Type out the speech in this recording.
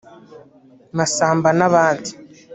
Masamba n’abandi